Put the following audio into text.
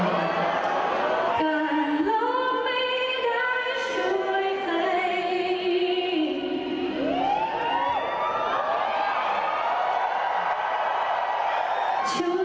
ใจร้องแล้วมาลืมคอนเซิร์ตนี้จะจบ